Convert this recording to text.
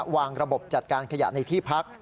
วางระบบจัดการขยะในที่พัก